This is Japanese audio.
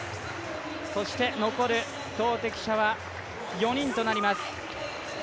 そして、残る投てき者は４人となります。